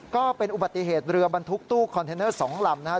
ก็เป็นอุบัติเหตุเรือบรรทุกตู้คอนเทนเนอร์๒ลำนะครับ